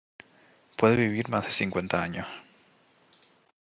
Puede vivir más de cincuenta años.